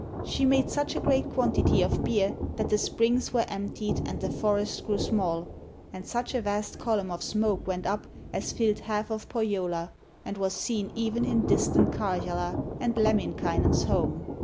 She made such a great quantity of beer that the springs were emptied and the forests grew small, and such a vast column of smoke went up as filled half of Pohjola and was seen even in distant Karjala and Lemminkainen's home.